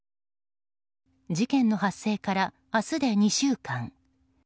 事件の発生から明日で２週間。